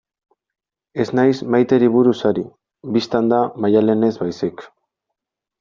Ez naiz Maiteri buruz ari, bistan da, Maialenez baizik.